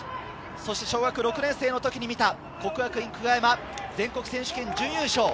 そして小学６年生の時に見た國學院久我山、全国選手権準優勝。